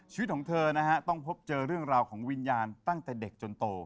ชีวิตของเธอนะฮะต้องพบเจอเรื่องราวของวิญญาณตั้งแต่เด็กจนโต